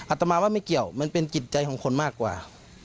ตมาว่าไม่เกี่ยวมันเป็นจิตใจของคนมากกว่า